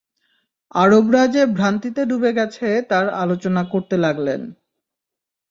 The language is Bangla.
আরবরা যে ভ্রান্তিতে ডুবে গেছে তার আলোচনা করতে লাগলেন।